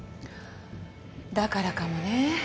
だからかもね。